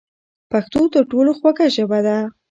پښتو تر ټولو خوږه ژبه ده.